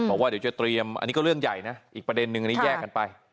บอกว่าเดี๋ยวจะเตรียมอันนี้ก็เรื่องใหญ่นะอีกประเด็นนึงอันนี้แยกกันไป